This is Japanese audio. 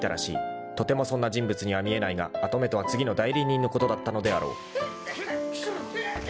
［とてもそんな人物には見えないが跡目とは次の代理人のことだったのであろう］